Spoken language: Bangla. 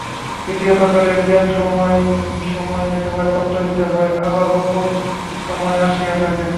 দ্বিতীয়ত কালের জ্ঞান সময় সময় একেবারে অন্তর্হিত হয়, আবার অপর সময় আসিয়া থাকে।